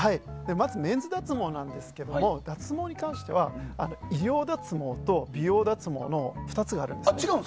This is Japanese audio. まず、メンズ脱毛なんですが脱毛に関しては医療脱毛と美容脱毛の２つがあるんです。